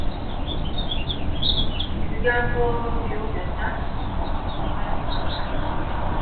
Ebigambo byo byonna bimalamu amanyi.